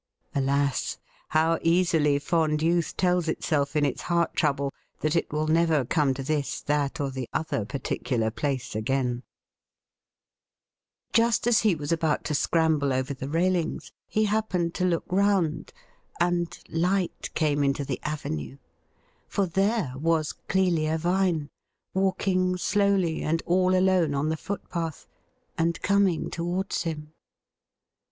Alas ! how easily fond youth tells itself in its heart trouble that it will never come to this, that, or the other particular place again ! Just as he was about to scramble over the railings he happened to look round, and light came into the avenue, for there was Clelia Vine walking slowly and all alone on the footpath, and coming towards him.